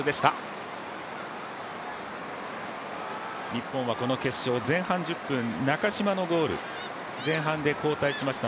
日本はこの決勝、前半１０分、中嶋のゴール、前半で交代しました